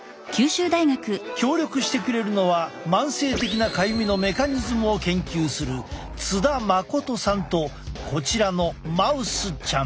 協力してくれるのは慢性的なかゆみのメカニズムを研究する津田誠さんとこちらのマウスちゃん。